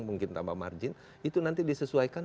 mungkin tambah margin itu nanti disesuaikan